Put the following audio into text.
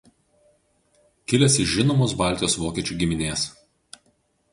Kilęs iš žinomos Baltijos vokiečių giminės.